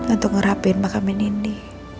untuk ngerapin makamin ini